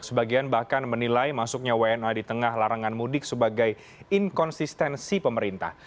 sebagian bahkan menilai masuknya wna di tengah larangan mudik sebagai inkonsistensi pemerintah